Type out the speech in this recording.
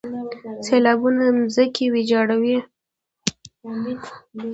سیلابونه ځمکې ویجاړوي.